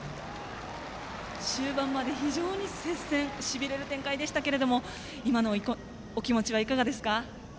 終盤まで非常に接戦しびれる展開でしたけども今のお気持ちはいかがですか？